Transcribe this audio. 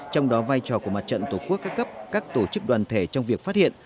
trong đó vai trò của mặt trận tổ quốc các cấp các tổ chức đoàn thể trong việc phát hiện